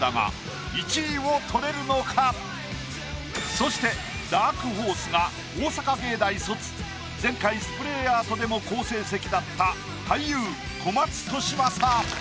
そしてダークホースが大阪芸大卒前回スプレーアートでも好成績だった俳優小松利昌。